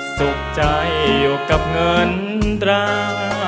สุขใจอยู่กับเงินตรา